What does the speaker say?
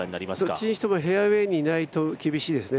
どっちにしてもフェアウエーにいないと厳しいですね。